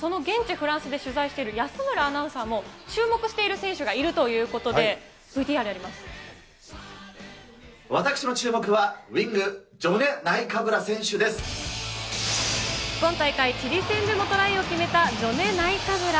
フランスで取材している安村アナウンサーも、注目している選手がいるということで、私の注目は、ウイング、今大会、チリ戦でもトライを決めたジョネ・ナイカブラ。